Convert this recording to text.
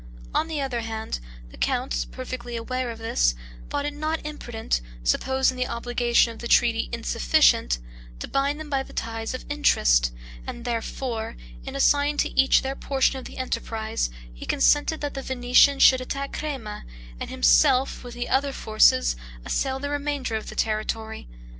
On the other hand, the count, perfectly aware of this, thought it not imprudent, supposing the obligation of the treaty insufficient, to bind them by the ties of interest; and, therefore, in assigning to each their portion of the enterprise, he consented that the Venetians should attack Crema, and himself, with the other forces, assail the remainder of the territory.